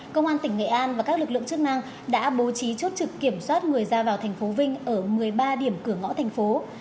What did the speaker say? công an tỉnh nghệ an và các lực lượng chức năng đã bố trí chốt trực kiểm soát người ra vào thành phố vinh ở một mươi ba điểm cửa ngõ thành phố